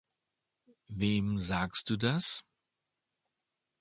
Wem sagst du das?